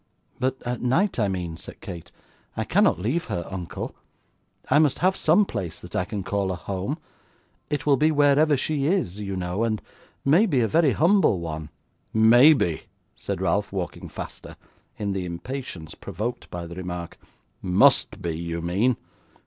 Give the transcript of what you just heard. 'But at night, I mean,' said Kate; 'I cannot leave her, uncle. I must have some place that I can call a home; it will be wherever she is, you know, and may be a very humble one.' 'May be!' said Ralph, walking faster, in the impatience provoked by the remark; 'must be, you mean.